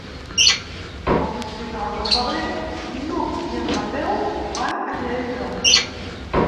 El vint-i-nou de febrer n'Hug i en Mateu van a Lleida.